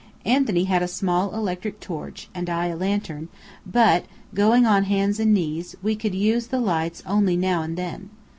Anthony had a small electric torch, and I a lantern, but going on hands and knees, we could use the lights only now and then.